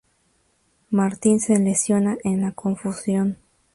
Martin se lesiona en la confusión.